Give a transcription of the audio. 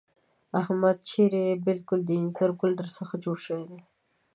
احمده! چېرې يې؟ بالکل د اينځر ګل در څخه جوړ شوی دی.